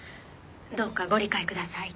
どうかご理解ください。